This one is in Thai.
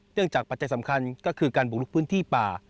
เนื่องจากปัจจัยสำคัญก็คือการปลูกพื้นที่ป่า